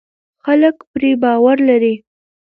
خلک پرې باور لري.